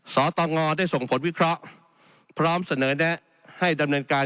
สตงได้ส่งผลวิเคราะห์พร้อมเสนอแนะให้ดำเนินการ